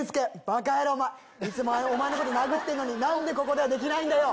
バカ野郎お前いつもお前のこと殴ってんのに何でここではできないんだよ。